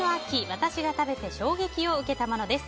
私が食べて衝撃を受けたものです。